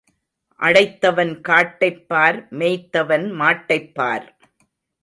அடைத்தவன் காட்டைப் பார் மேய்த்தவன் மாட்டைப் பார்.